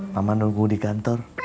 mama nunggu di kantor